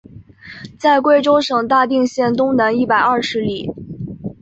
在贵州省大定县东南一百二十里。